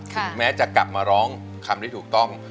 แม้จะกลับมาร้องคำที่ถูกต้อง